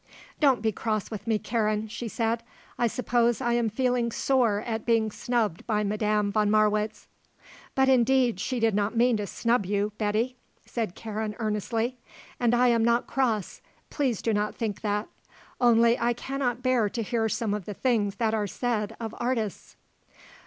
"Don't be cross with me, Karen," she said. "I suppose I am feeling sore at being snubbed by Madame von Marwitz." "But indeed she did not mean to snub you, Betty," said Karen earnestly. "And I am not cross; please do not think that. Only I cannot bear to hear some of the things that are said of artists."